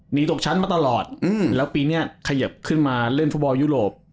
หนีตกชั้นมาตลอดแล้วปีนี้ขยิบขึ้นมาเล่นฟุตบอลยุโรป